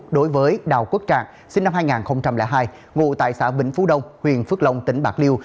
đối với đào quốc trạng sinh năm hai nghìn hai ngụ tại xã bình phú đông huyện phước long tỉnh bạc liêu